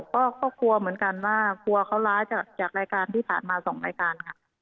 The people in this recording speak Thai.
ก็กลัวเหมือนกันว่ากลัวเขาร้ายจากรายการที่ผ่านมา๒รายการค่ะ